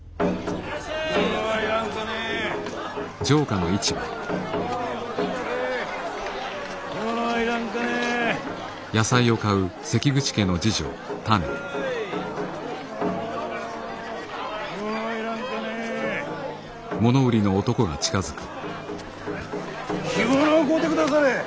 干物を買うてくだされ！